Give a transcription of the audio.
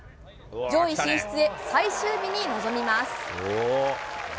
上位進出へ、最終日に臨みます。